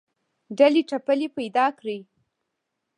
ډلې ټپلې پیدا کړې